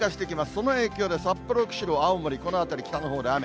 その影響で札幌、釧路、青森、この辺り、北のほうで雨。